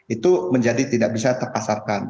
itu menjadi tidak bisa terpasarkan